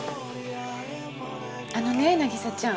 あのね凪沙ちゃん。